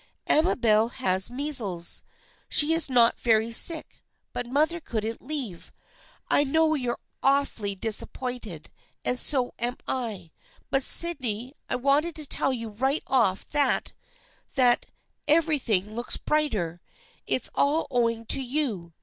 " Amabel has measles. She's not very sick, but mother couldn't leave. I know you're awfully disappointed, and so am I. But Sydney, I want to tell you right off that — that — everything looks brighter. It's all owing to you.